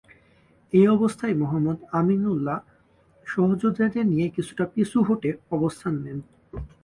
এ অবস্থায় মোহাম্মদ আমিন উল্লাহ সহযোদ্ধাদের নিয়ে কিছুটা পিছু হটে অবস্থান নেন।